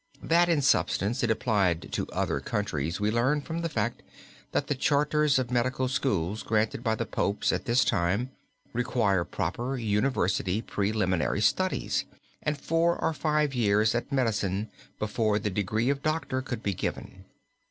That, in substance, it applied to other countries we learn from the fact that the charters of medical schools granted by the Popes at this time require proper university preliminary studies, and four or five years at medicine before the degree of Doctor could be given.